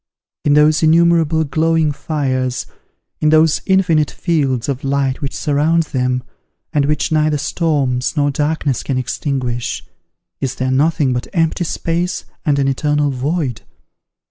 In those innumerable glowing fires, in those infinite fields of light which surround them, and which neither storms nor darkness can extinguish, is there nothing but empty space and an eternal void?